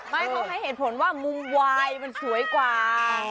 ไม่เขาให้เหตุผลว่ามุมวายมันสวยกว่า